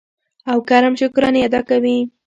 او کرم شکرانې ادا کوي.